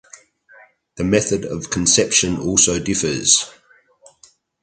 The method of conception also differs.